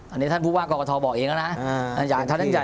อันนี้ท่านภูมิว่ากล้องศักดิ์บอกเองแล้วนะ